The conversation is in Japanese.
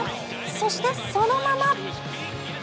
そして、そのまま。